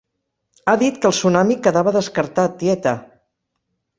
Ha dit que el tsunami quedava descartat, tieta!